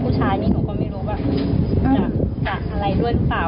ผู้ชายนี่หนูก็ไม่รู้ว่าจะจากอะไรด้วยหรือเปล่า